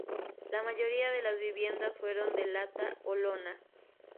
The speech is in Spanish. La mayoría de las viviendas fueron de lata o lona.